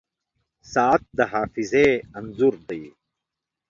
• ساعت د حافظې انځور دی.